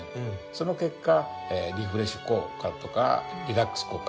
その結果リフレッシュ効果とかリラックス効果。